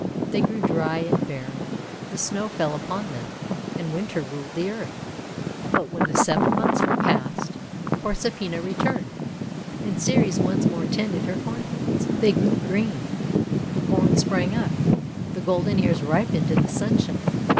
They grew dry and barren, the Snow fell upon them, and Winter ruled the earth. But when the seven months were passed 430 THE WONDER GARDEN Proserpina returned, and Ceres once more tended her Cornfields. They grew green, the Corn sprang up, the golden ears ripened in the sunshine.